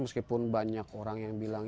meskipun banyak orang yang bilang